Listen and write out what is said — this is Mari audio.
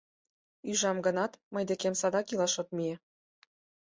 Ӱжам гынат, мый декем садак илаш от мие.